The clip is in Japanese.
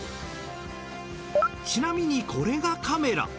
ちなみにこれがカメラ。